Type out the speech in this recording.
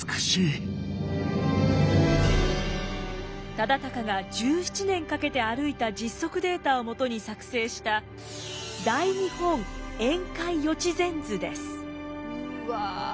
忠敬が１７年かけて歩いた実測データをもとに作成したうわ